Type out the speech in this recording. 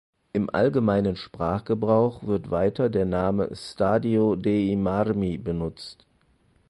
Im allgemeinen Sprachgebrauch wird weiter der Name "Stadio dei Marmi" benutzt.